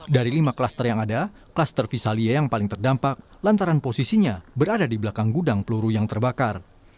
dari lima klaster yang ada kluster visalia yang paling terdampak lantaran posisinya berada di belakang gudang peluru yang terbakar